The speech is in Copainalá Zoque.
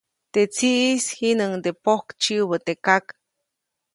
Teʼ tsiʼis jiʼnuŋde pojk tsiʼubä teʼ kak.